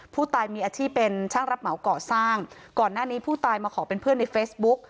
ผู้ตายมีอาชีพเป็นช่างรับเหมาก่อสร้างก่อนหน้านี้ผู้ตายมาขอเป็นเพื่อนในเฟซบุ๊ก